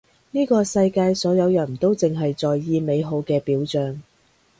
呢個世界所有人都淨係在意美好嘅表象